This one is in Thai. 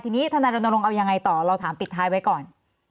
ทีนี้ทนายรณรงค์เอายังไงต่อเราถามปิดท้ายไว้ก่อน